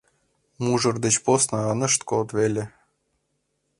Мужыр деч посна ынышт код веле.